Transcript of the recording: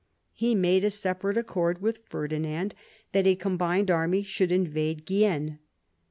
He made a separate accord with Ferdinand that a com bined army should invade Guienne.